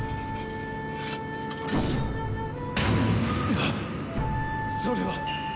あっそれは！